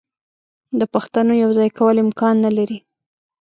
د پښتونو یو ځای کول امکان نه لري.